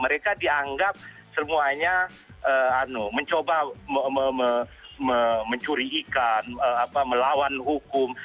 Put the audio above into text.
mereka dianggap semuanya mencoba mencuri ikan melawan hukum